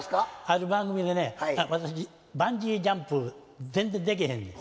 ある番組でね私バンジージャンプ全然できへんで。